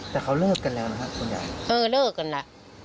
แต่เขาเลิกกันแล้วนะครับคุณยายเออเลิกกันแล้ว